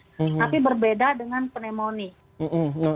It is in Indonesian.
tapi berbeda dengan pneumonia